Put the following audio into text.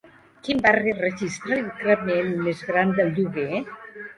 Quin barri registra l'increment més gran del lloguer?